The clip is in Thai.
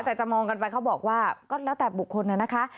แต่จะมองกันไปเขาบอกว่าก็แล้วแต่บุคคลนะคะ